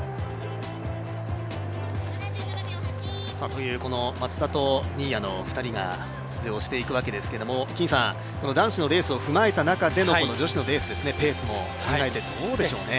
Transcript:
というこの、松田と新谷の２人が出場をしていくわけですけど男子のレースを踏まえた中でのこの女子のレースペースなど、どうでしょうね。